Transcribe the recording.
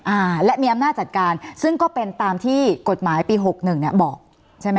อ่าและมีอำนาจจัดการซึ่งก็เป็นตามที่กฎหมายปีหกหนึ่งเนี้ยบอกใช่ไหม